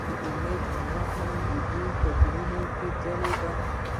د امید رڼا هم د دوی په زړونو کې ځلېده.